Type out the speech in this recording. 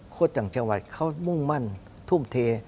ต่างจังหวัดเขามุ่งมั่นทุ่มเท